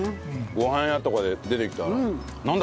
ごはん屋とかで出てきたらなんだ？